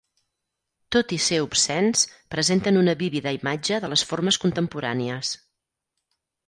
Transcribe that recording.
Tot i ser obscens, presenten una vívida imatge de les formes contemporànies.